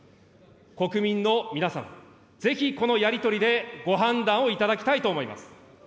国民の皆様、ぜひこのやり取りでご判断をいただきたいと思います。